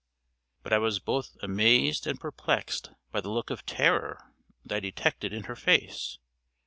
But I was both amazed and perplexed by the look of terror that I detected in her face.